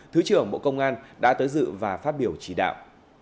thứ trưởng bộ công an đã tới dự và phát biểu chỉ đạo